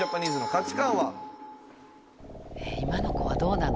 え今の子はどうなの？